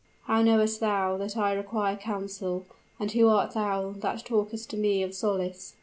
"How knowest thou that I require counsel? and who art thou that talkest to me of solace?"